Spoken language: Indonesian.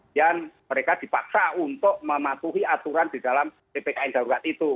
dan mereka dipaksa untuk mematuhi aturan di dalam ppkm darurat itu